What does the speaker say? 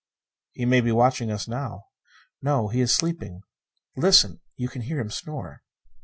"He may be watching us now." "No. He is sleeping. Listen you can hear him snore."